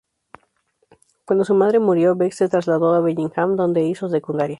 Cuando su madre murió, Beck se trasladó a Bellingham, donde hizo secundaria.